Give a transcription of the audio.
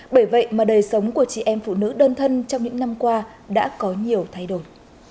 bởi vậy mà đời sống của chị em phụ nữ đơn thân trong những năm qua đã có nhiều thay đổi